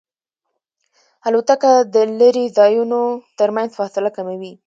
الوتکه د لرې ځایونو ترمنځ فاصله کموي.